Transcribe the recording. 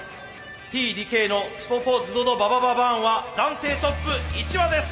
Ｔ・ＤＫの「スポポズドドババババーン！！！」は暫定トップ１羽です。